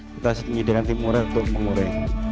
kita setinggi dengan tim ure untuk mengure